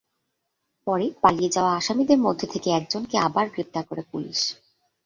পরে পালিয়ে যাওয়া আসামিদের মধ্য থেকে একজনকে আবার গ্রেপ্তার করে পুলিশ।